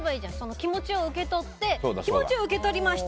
気持ちを受け取って気持ちを受け取りました